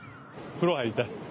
風呂入りたい。